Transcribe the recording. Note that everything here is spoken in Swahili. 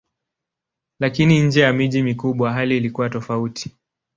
Lakini nje ya miji mikubwa hali ilikuwa tofauti.